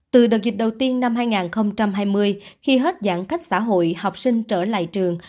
từ đợt dịch đầu tiên năm hai nghìn hai mươi khi hết giãn cách xã hội học sinh trở lại trường